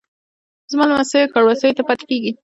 زما لمسیو کړوسیو ته پاتیږي